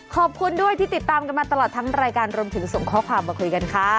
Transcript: ขอบคุณด้วยที่ติดตามกันมาตลอดทั้งรายการรวมถึงส่งข้อความมาคุยกันค่ะ